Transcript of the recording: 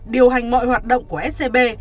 điều hành mọi hoạt động của scb